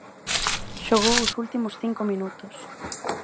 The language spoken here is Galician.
Xogou os últimos cinco minutos.